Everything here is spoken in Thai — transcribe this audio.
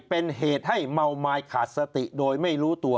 เป็นเหตุให้เมาไม้ขาดสติโดยไม่รู้ตัว